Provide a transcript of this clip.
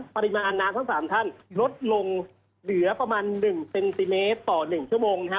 ปริมาณอันน้ำทั้ง๓ท่านลดลงเหลือประมาณ๑เซนติเมตรต่อ๑ชั่วโมงนะครับ